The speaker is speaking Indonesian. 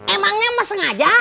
emangnya ma sengaja